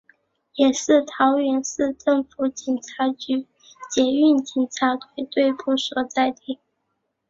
也是桃园市政府警察局捷运警察队队部所在地。